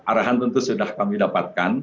arahan tentu sudah kami dapatkan